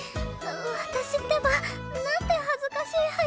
私ってばなんて恥ずかしい早とちりを。